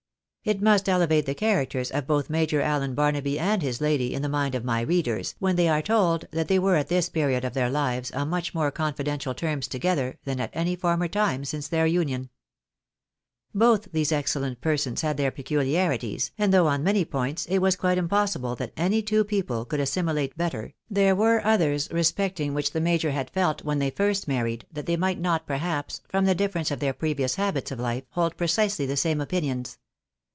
It must elevate the characters of both Major Allen Barnaby and his lady in the mind of my readers, when they are told that they were at this period of their hves on much more confidential terms together than at any former time since their union. Both these excellent persons had their pecuharities, and though on many points it was quite impossible that any two people could assimilate better, there were others respecting which the major had IMPORTANT EFFECT PRODUCED. 47 felt when they first married, that they might not perhaps, from the difference of their previous habits of hfe, hold precisely the same opinions.